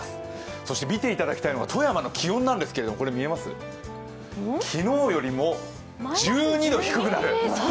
そして見ていただきたいのが富山の気温なんですが、昨日よりも１２度低くなる。